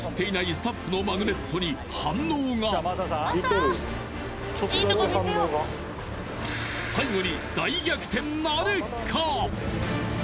スタッフのマグネットに反応が最後に大逆転なるか！？